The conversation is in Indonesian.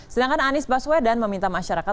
sedangkan anies baswedan meminta masyarakat